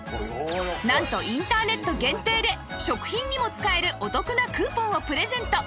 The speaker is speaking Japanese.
なんとインターネット限定で食品にも使えるお得なクーポンをプレゼント